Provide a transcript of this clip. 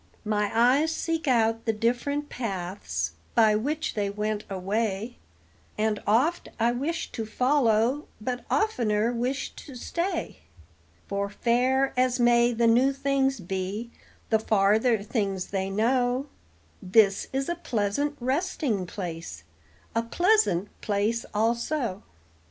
My eyes seek out the different paths by which they went away, And oft I wish to follow, but oftener wish to stay; For fair as may the new things be, the farther things they know, This is a pleasant resting place, a pleasant place also.